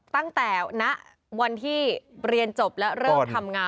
ตั้งแต่ณวันที่เรียนจบและเริ่มทำงาน